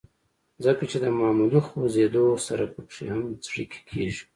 ځکه چې د معمولي خوزېدو سره پکښې هم څړيکې کيږي